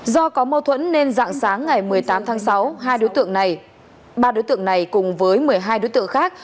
do có mâu thuẫn nên dạng sáng ngày một mươi tám tháng sáu ba đối tượng này cùng với một mươi hai đối tượng khác